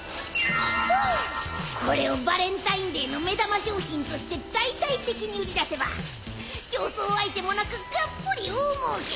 これをバレンタインデーの目玉商品として大々的に売り出せば競争相手もなくがっぽり大もうけ！